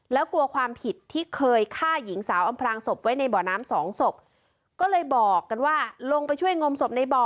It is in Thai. แล้วกลัวความผิดที่เคยฆ่าหญิงสาวอำพลางศพไว้ในบ่อน้ำสองศพก็เลยบอกกันว่าลงไปช่วยงมศพในบ่อ